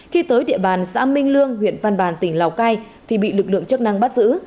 khi tới địa bàn xã minh lương huyện văn bàn tỉnh lào cai thì bị lực lượng chức năng bắt giữ